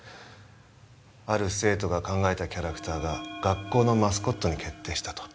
ある生徒が考えたキャラクターが学校のマスコットに決定したと。